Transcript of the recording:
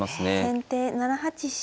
先手７八飛車。